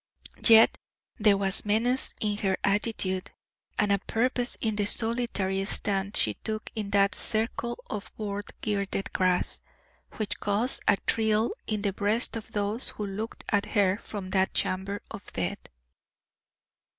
Yet there was menace in her attitude and a purpose in the solitary stand she took in that circle of board girded grass, which caused a thrill in the breasts of those who looked at her from that chamber of death.